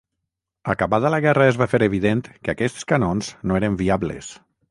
Acabada la guerra es va fer evident que aquests canons no eren viables.